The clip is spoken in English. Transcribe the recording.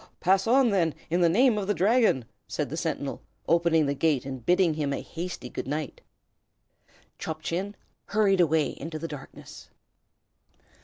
"Pass on, then, in the name of the Dragon!" said the sentinel, opening the gate; and bidding him a hasty good night, Chop Chin hurried away into the darkness.